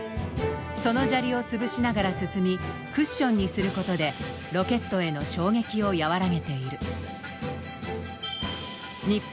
その砂利を潰しながら進みクッションにすることでロケットへの衝撃を和らげている。